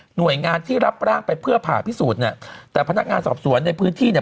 หน่วยงานที่รับร่างไปเพื่อผ่าพิสูจน์เนี่ยแต่พนักงานสอบสวนในพื้นที่เนี่ย